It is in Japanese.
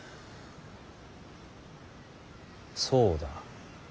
そうだ。